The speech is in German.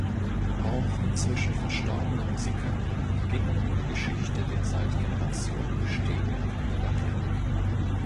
Auch inzwischen verstorbene Musikanten gingen in die Geschichte der seit Generationen bestehenden Kapelle ein.